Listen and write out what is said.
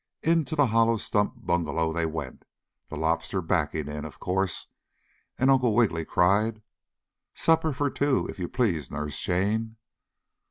Into the hollow stump bungalow they went, the Lobster backing in, of course, and Uncle Wiggily cried: "Supper for two, if you please, Nurse Jane!"